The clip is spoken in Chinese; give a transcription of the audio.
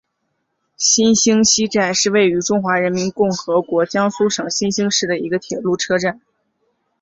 新沂西站是位于中华人民共和国江苏省新沂市的一个铁路车站。